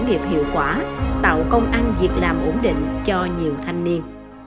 nghiệp hiệu quả tạo công ăn việc làm ổn định cho nhiều thanh niên